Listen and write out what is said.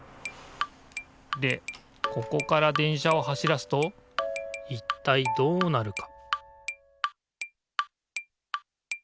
でここから電車を走らすといったいどうなるか？